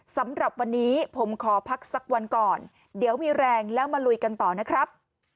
สำหรับวันนี้ผมขอพักสักวันก่อนเดี๋ยวมีแรงแล้วมาลุยกันต่อนะครับ